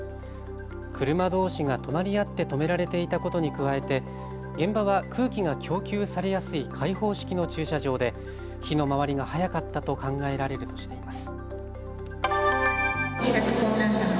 車どうしが隣り合って止められていたことに加えて現場は空気が供給されやすい開放式の駐車場で、火の回りが早かったと考えられるとしています。